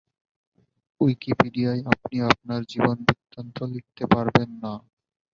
উইকিপিডিয়ায় আপনি আপনার জীবনবৃত্তান্ত লিখতে পারবেন না।